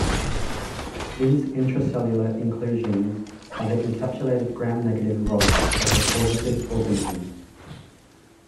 These intracellular inclusions are the encapsulated Gram-negative rods of the causative organisms.